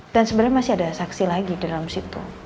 dan sebenernya masih ada saksi lagi di dalam situ